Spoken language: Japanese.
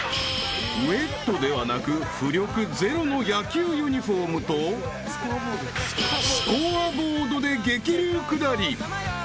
［ウエットではなく浮力ゼロの野球ユニホームとスコアボードで激流下り］